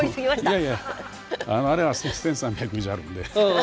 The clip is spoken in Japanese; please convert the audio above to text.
いやいやあれは１，３００以上あるんで。